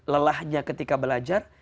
lelahnya ketika belajar